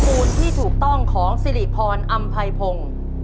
ข้อมูลที่ถูกต้องของสิริพรอัมพัยพงค์